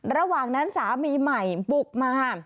ระหว่างนั้นสามีใหม่บุกมา